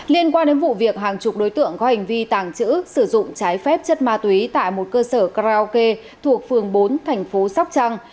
liên quan đến vụ việc hàng chục đối tượng có hành vi tàng trữ sử dụng trái phép chất ma túy tại một cơ sở karaoke thuộc phường bốn thành phố sóc trăng